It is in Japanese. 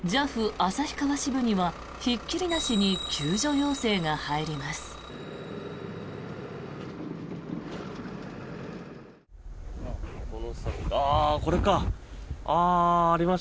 旭川支部にはひっきりなしに救助要請が入ります。